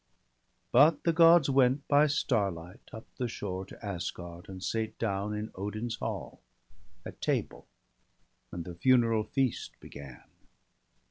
But the Gods went by starlight up the shore To Asgard, and sate down in Odin's hall 174 BALDER DEAD, At table, and the funeral feast began.